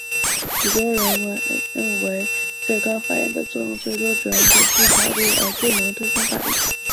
许多人认为最高法院的作用最多只能解释法律而不能推翻法律。